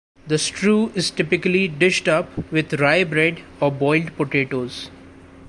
The stew is typically dished up with rye bread or boiled potatoes.